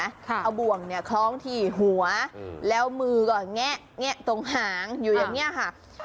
เอาบ่วงเนี่ยคล้องที่หัวแล้วมือก็แงะแงะตรงหางอยู่อย่างนี้ค่ะ